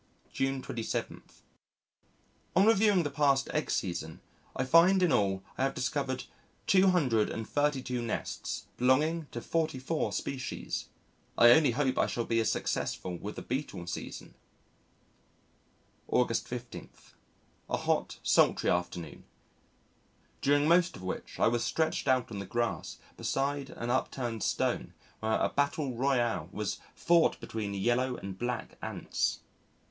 June 27. On reviewing the past egg season, I find in all I have discovered 232 nests belonging to forty four species. I only hope I shall be as successful with the beetle season. August 15. A hot, sultry afternoon, during most of which I was stretched out on the grass beside an upturned stone where a battle royal was fought between Yellow and Black Ants.